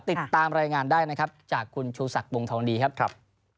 ติดตามรายงานได้นะครับจากคุณชูศักดิบวงทองดีครับ